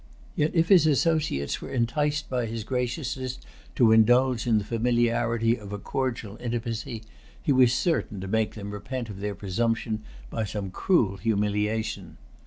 Yet if his associates were enticed by his graciousness to indulge in the familiarity of a cordial intimacy, he was certain to make them repent of their presumption by some cruel humiliation.